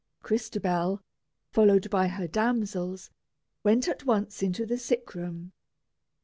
Crystabell, followed by her damsels, went at once into the sick room.